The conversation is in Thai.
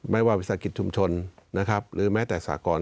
ไม่ว่าวิสาหกิจชุมชนนะครับหรือแม้แต่สากร